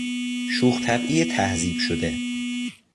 شوخ طبعی تهذیب شده